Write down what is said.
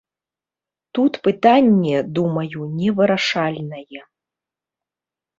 Тут пытанне, думаю, невырашальнае.